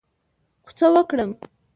خو څه وکړم،